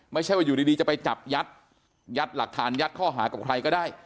ไม่ใช่ว่าอยู่ดีจะไปจับยัดยัดหลักฐานยัดข้อหากับใครก็ได้